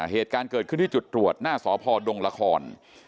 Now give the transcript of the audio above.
เหตุการณ์เกิดขึ้นที่จุดตรวจหน้าสพดงละคร